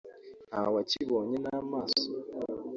ntawakibonye n’amaso